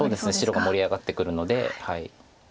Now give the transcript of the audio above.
白が盛り上がってくるので。